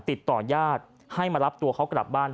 ติดต่อญาติให้มารับตัวเขากลับบ้าน